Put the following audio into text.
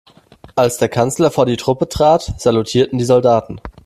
Als der Kanzler vor die Truppe trat, salutierten die Soldaten.